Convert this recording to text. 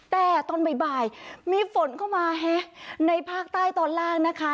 แต่ตอนบ่ายมีฝนเข้ามาในภาคใต้ตอนล่างนะคะ